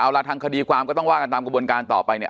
เอาล่ะทางคดีความก็ต้องว่ากันตามกระบวนการต่อไปเนี่ย